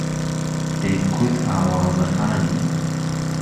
دەیکوت ئاوازەخانی